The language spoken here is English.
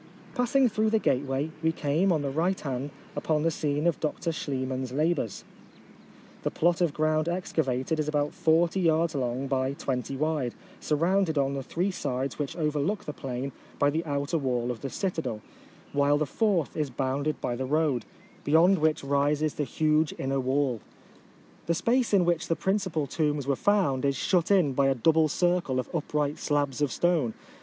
Passing through the gateway, we came, on the right hand, upon the scene of Dr Schliemann's labours. The plot of ground excavated is about forty yards long by twenty wide, surrounded on the three sides which overlook the plain by the outer wall of the citadel, while the fourth is bounded by the road, beyond which rises the huge 568 A Hide across the Peloponnese. [May inner wall. The space in which the principal tombs were found is shut in by a double circle of upright slabs of stone.